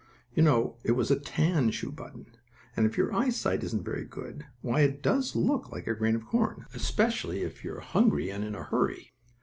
You know it was a tan shoe button, and if your eyesight isn't very good, why it does look like a grain of corn, especially if you're very hungry and in a hurry.